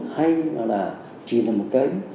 hay là chỉ là một cái